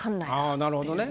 あぁなるほどね。